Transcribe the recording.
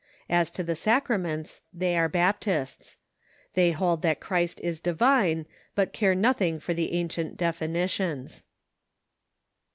As to the sacraments, they are Baptists. They hold that Christ is divine, but care nothing for the ancient definitions.